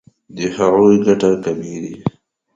د هغوی ګټه کمیږي.